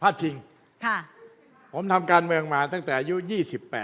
ชิงผมทำการเมืองมาตั้งแต่อายุ๒๘